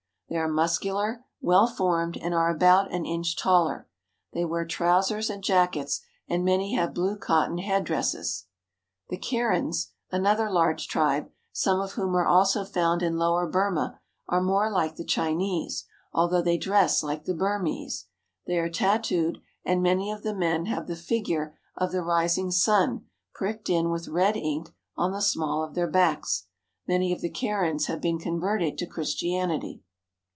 They are muscular, well formed, and are about an inch taller. They wear trousers and jackets, and many have blue cotton headdresses. The Karens, another large tribe, some' of whom are also found in lower Burma, are more like the Chinese, although they dress like the Burmese. They are tattooed, and many of the men have the figure of the rising sun pricked in with red ink on the small of their backs. Many of the Karens have been converted to Christianity.